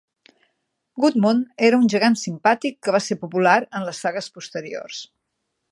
Gudmund era un gegant simpàtic que va ser popular en les sagues posteriors.